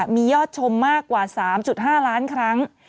มียอดชมมากกว่า๓๕ล้านครั้ง